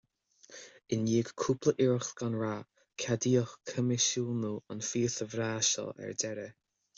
I ndiaidh cúpla iarracht gan rath, ceadaíodh coimisiúnú an phíosa bhreá seo ar deireadh